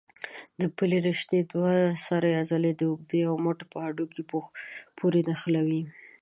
د پلې رشتې دوه سره عضله د اوږې او مټ په هډوکو پورې نښلوي.